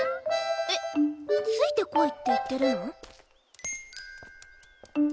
えっ「ついてこい」って言ってるの？